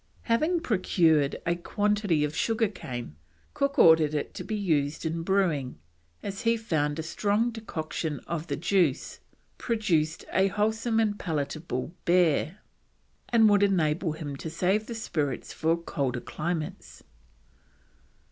Having procured a quantity of sugar cane, Cook ordered it to be used in brewing, as he found a strong decoction of the juice produced a wholesome and palatable beer, and would enable him to save the spirits for the colder climates.